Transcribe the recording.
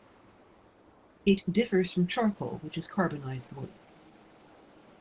It differs from charcoal which is carbonised wood.